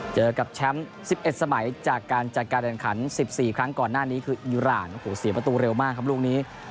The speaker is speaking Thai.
เจอกับแชมป์๑๑สมัยจากการจัดการแข่งขัน๑๔ครั้งก่อนหน้านี้คืออิราณโอ้โหเสียประตูเร็วมากครับลูกนี้